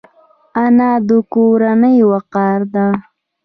انا د کورنۍ وقار ده